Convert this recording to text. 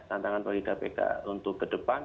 tantangan bagi kpk untuk ke depan